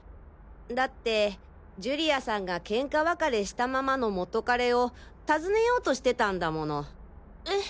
だって寿里亜さんがケンカ別れしたままの元カレを訪ねようとしてたんだもの。え！？